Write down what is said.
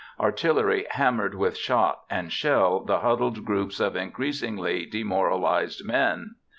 Artillery hammered with shot and shell the huddled groups of increasingly demoralized men.